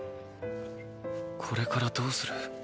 これからどうする？